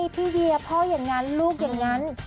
พี่เวียพ่ออย่างนั้นลูกอย่างนั้น